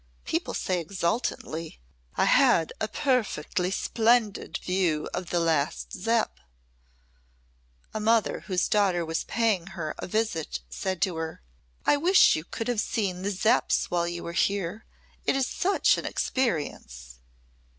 People say exultantly, 'I had a perfectly splendid view of the last Zepp!' A mother whose daughter was paying her a visit said to her, 'I wish you could have seen the Zepps while you were here. It is such an experience.'"